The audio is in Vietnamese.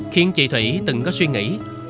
khiến chị thủy từng có suy nghĩ